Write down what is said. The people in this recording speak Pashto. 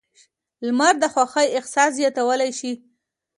لمر د خوښۍ احساس زیاتولی شي.